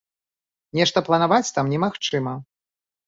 Нешта планаваць там немагчыма.